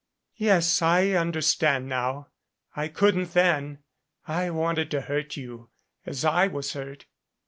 "Yes, I understand now. I couldn't then. I wanted to hurt you as I was hurt.